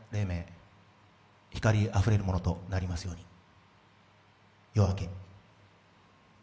光あふれるものとなりますように。